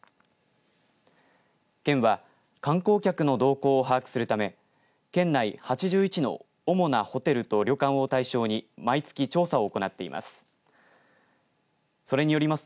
県は観光客の動向を把握するため県内８１の主なホテルと旅館を対象に毎月調査を行っています。